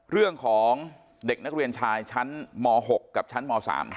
เรื่องของเด็กนักเรียนชายชั้นม๖กับชั้นม๓